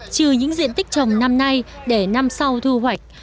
trừ những diện tích trồng năm nay để năm sau thu hoạch